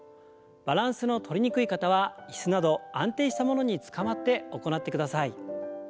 バランスのとりにくい方は椅子など安定したものにつかまって行ってください。